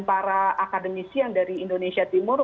para akademisi yang dari indonesia timur